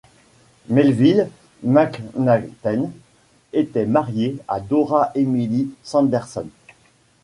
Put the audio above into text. Melville Macnaghten était marié à Dora Emily Sanderson.